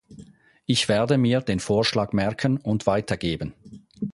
Ich werde mir den Vorschlag merken und weitergeben.